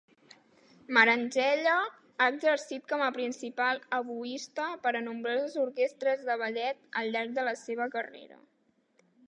Marangella ha exercit com a principal oboista per a nombroses orquestres de ballet al llarg de la seva carrera.